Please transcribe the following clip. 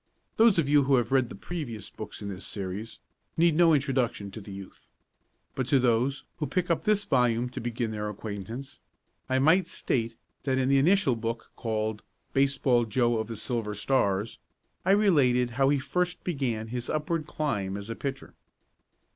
Those of you who have read the previous books in this series, need no introduction to the youth. But to those who pick up this volume to begin their acquaintance, I might state that in the initial book, called "Baseball Joe of the Silver Stars," I related how he first began his upward climb as a pitcher.